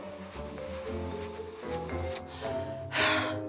はあ。